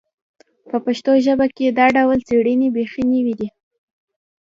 په پښتو ژبه کې دا ډول څېړنې بیخي نوې دي